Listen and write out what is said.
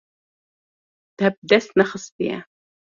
Te bi dest nexistiye.